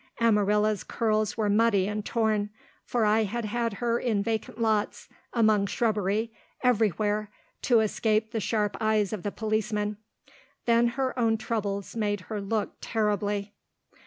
Amarilla's curls were muddy and torn, for I had had her in vacant lots, among shrubbery, everywhere, to escape the sharp eyes of the policemen. Then her own troubles made her look terribly.